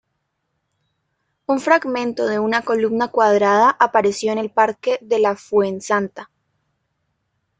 Un fragmento de una columna cuadrada apareció en el parque de la Fuensanta.